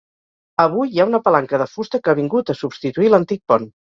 Avui, hi ha una palanca de fusta que ha vingut a substituir l'antic pont.